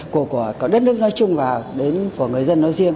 của cả đất nước nói chung và đến của người dân nói riêng